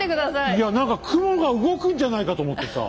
いや何か雲が動くんじゃないかと思ってさ。